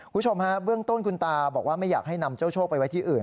คุณผู้ชมฮะเบื้องต้นคุณตาบอกว่าไม่อยากให้นำเจ้าโชคไปไว้ที่อื่น